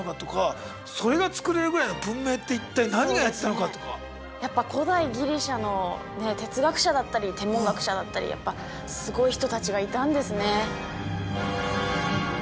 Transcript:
だってこれを一体やっぱ古代ギリシャの哲学者だったり天文学者だったりすごい人たちがいたんですね。